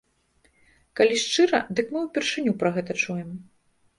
Калі шчыра, дык мы упершыню пра гэта чуем.